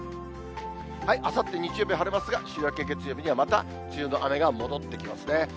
あさって日曜日、晴れますが、週明け月曜日には、また梅雨の雨が戻ってきますね。